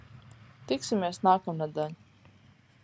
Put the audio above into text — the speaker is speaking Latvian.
Tiksimies nākamnedēļ!